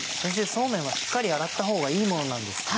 そうめんはしっかり洗ったほうがいいものなんですか？